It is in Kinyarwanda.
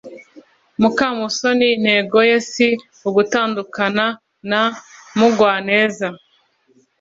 mukamusoni intego ye si ugutandukana na mugwaneza;